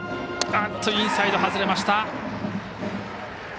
インサイド外れました。